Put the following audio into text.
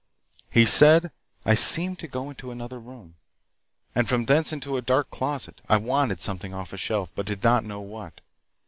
"He said I seemed to go into another room, and from thence into a dark closet. I wanted something off the shelf, but did not know what.